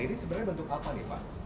ini sebenarnya bentuk apa nih pak